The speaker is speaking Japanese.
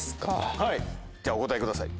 はいじゃあお答えください。